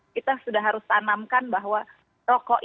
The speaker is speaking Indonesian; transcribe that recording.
kita sudah harus tanamkan bahwa rokok itu tidak keren